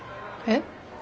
えっ。